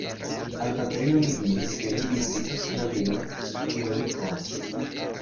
Al patrino mi diris, ke mi vizitos knabinon, kiun mi konas.